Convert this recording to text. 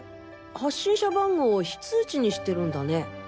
発信者番号を非通知にしてるんだね。